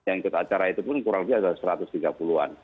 yang ikut acara itu pun kurang lebih ada satu ratus tiga puluh an